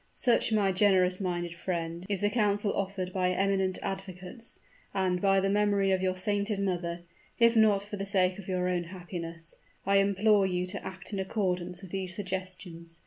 "Such, my generous minded friend, is the counsel offered by eminent advocates; and, by the memory of your sainted mother, if not for the sake of your own happiness, I implore you to act in accordance with these suggestions.